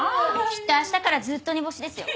きっと明日からずっと煮干しですよ。